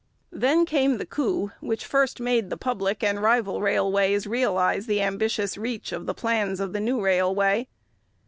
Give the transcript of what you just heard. Then came the coup which first made the public and rival railways realize the ambitious reach of the plans of the new railway.